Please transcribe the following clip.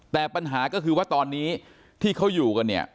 แต่ปัญหาก็คือว่าตอนนี้ที่เขาอยู่กันเนี่ย